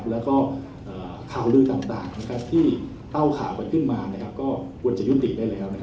แล้วก็ข่าวลือต่างที่เล่าข่าวกันขึ้นมาก็ควรจะยุติได้แล้ว